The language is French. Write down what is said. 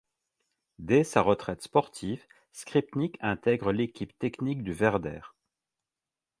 Dès sa retraite sportive, Skripnik intègre l'équipe technique du Werder.